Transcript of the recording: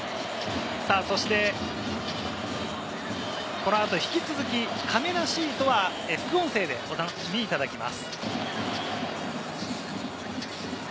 この後引き続き、かめなシートは副音声でお楽しみいただきます。